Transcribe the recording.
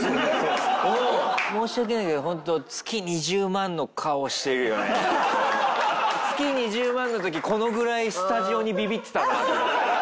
申し訳ないけどホント月２０万の時このぐらいスタジオにビビってたなと思って。